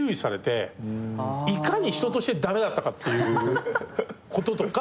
いかに人として駄目だったかっていうこととか。